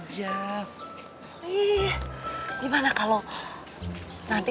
di sini dengan mata pengganggu